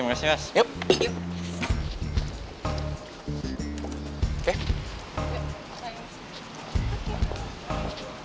emang saya udah bisa cari aja